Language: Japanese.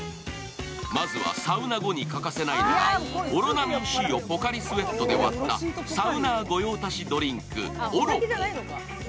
まずはサウナ後に欠かせないのは、オロナミンＣをポカリスエットで割った、サウナー御用達ドリンク・オロポ。